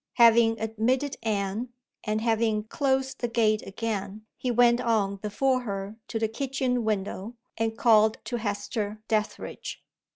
Having admitted Anne, and having closed the gate again, he went on before her to the kitchen window, and called to Hester Dethridge.